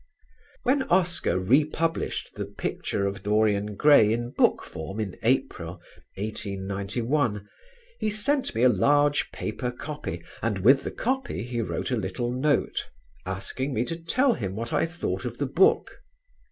When Oscar republished "The Picture of Dorian Gray" in book form in April, 1891, he sent me a large paper copy and with the copy he wrote a little note, asking me to tell him what I thought of the book.